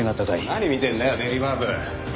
何見てんだよデリバー部。